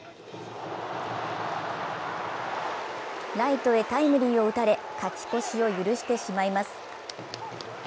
ライトへタイムリーを打たれ勝ち越しを許してしまいます。